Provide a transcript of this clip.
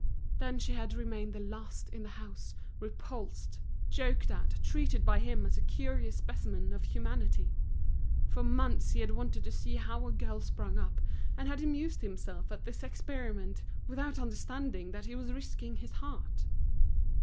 Then she had remained the last in the house, repulsed, joked at, treated by him as a curious specimen of humanity. For months he had wanted to see how a girl sprung up, and had amused himself at this experiment, without understanding that he was risking his heart.